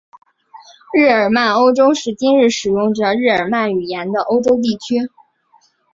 日耳曼欧洲是今日使用着日耳曼语言的欧洲地区。